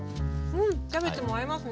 うんキャベツも合いますね。